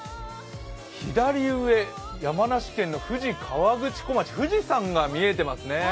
左上、山梨県富士河口湖町、富士山が見えてますね。